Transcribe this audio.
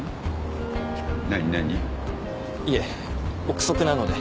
いえ臆測なので。